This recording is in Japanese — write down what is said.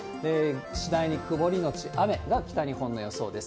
次第に曇り後雨が北日本の予想です。